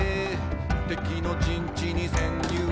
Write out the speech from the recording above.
「敵の陣地に潜入」